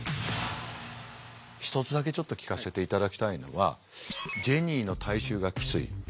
一つだけちょっと聞かせていただきたいのはジェニーの体臭がきつい。